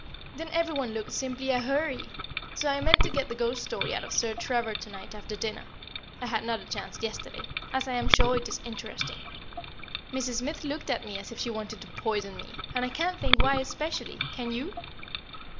Then every one looked simply ahuri. So I mean to get the ghost story out of Sir Trevor to night after dinner I had not a chance yesterday as I am sure it is interesting. Mrs. Smith looked at me as if she wanted to poison me, and I can't think why specially, can you?